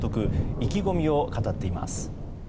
意気込みを語っています。